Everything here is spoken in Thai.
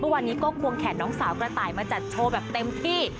วันนี้ก็ควงแขนน้องสาวกระต่ายมาจัดโชว์แบบเต็มที่